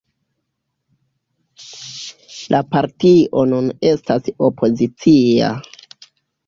La partio nun estas opozicia.